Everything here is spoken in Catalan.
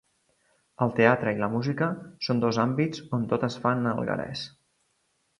El teatre i la música són dos àmbits on tot es fa en alguerès.